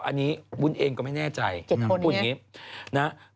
อันนี้วุ้นเองก็ไม่แน่ใจนางพูดอย่างนี้นะ